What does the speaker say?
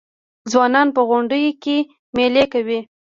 ځوانان په غونډیو کې میلې کوي.